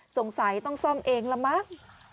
สงสัยต้องซ่อมเองละมั้ง